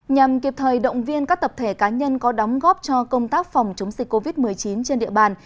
nhằm kịp thời động viên các tập thể cá nhân có đóng góp cho công tác phòng chống dịch covid một mươi chín trên địa bàn